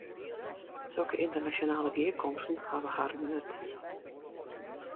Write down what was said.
Sokke ynternasjonale gearkomsten hawwe harren nut.